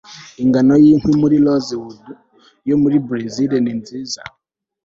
ingano yinkwi muri rosewood yo muri berezile ni nziza